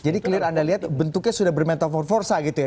jadi clear anda lihat bentuknya sudah bermentafor forsa gitu ya